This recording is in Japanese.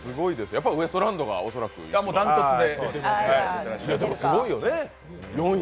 やっぱりウエストランドが恐らく１位。